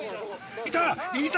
いた！